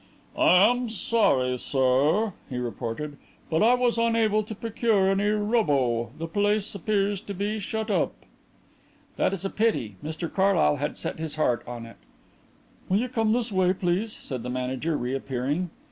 "I am sorry, sir," he reported, "but I was unable to procure any 'Rubbo.' The place appears to be shut up." "That is a pity; Mr Carlyle had set his heart on it." "Will you come this way, please?" said the manager, reappearing.